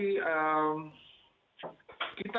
kita itu terlalu biasa